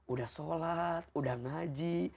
udah sholat udah ngaji